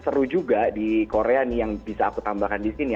seru juga di korea nih yang bisa aku tambahkan di sini